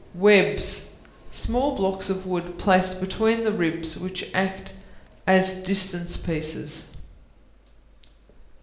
Webs Small blocks of wood placed between the ribs which act as distance pieces.